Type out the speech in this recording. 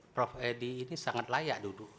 prof edi ini sangat layak duduk